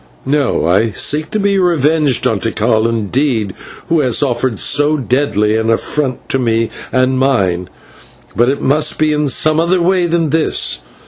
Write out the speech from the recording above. No, I seek to be revenged on Tikal, indeed, who has offered so deadly an affront to me and mine, but it must be in some other way than this.